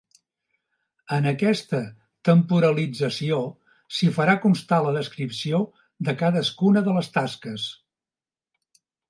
En aquesta temporalització s'hi farà constar la descripció de cadascuna de les tasques.